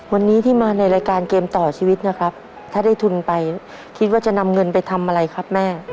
วันนี้ที่มาในรายการเกมต่อชีวิตนะครับถ้าได้ทุนไปคิดว่าจะนำเงินไปทำอะไรครับแม่